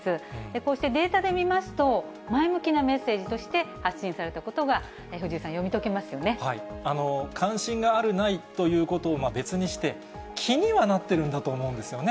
こうしてデータで見ますと、前向きなメッセージ、そして発信されたことが、藤井さん、関心がある、ないということを別にして、気にはなってるんだと思うんですよね。